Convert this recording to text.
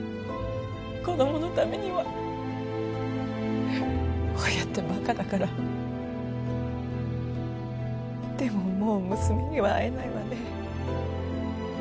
子供のためには親ってバカだからでももう娘には会えないわね